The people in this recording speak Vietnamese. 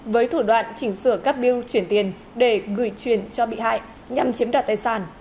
với thủ đoạn chỉnh sửa các biêu chuyển tiền để gửi truyền cho bị hại nhằm chiếm đoạt tài sản